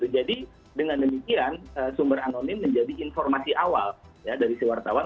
jadi dengan demikian sumber anonim menjadi informasi awal dari si wartawan